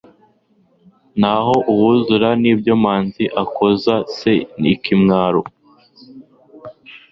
naho uwuzura n'ibyomanzi akoza se ikimwaro